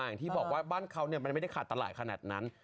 อย่างที่บอกว่าบ้านเขามันไม่ได้ขาดตลาดขนาดนั้น